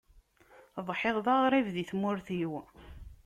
Ḍḥiɣ d aɣrib di tmurt-iw.